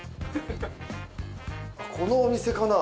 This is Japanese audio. このお店かな？